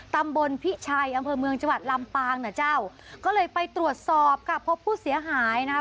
ตำบลพิชัยอำเภอเมืองจังหวัดลำปางนะเจ้าก็เลยไปตรวจสอบค่ะพบผู้เสียหายนะคะ